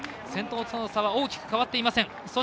先頭との差は大きく変わっていません。